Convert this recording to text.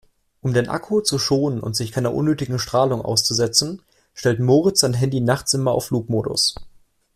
Um den Akku zu schonen und sich keiner unnötigen Strahlung auszusetzen, stellt Moritz sein Handy nachts immer auf Flugmodus.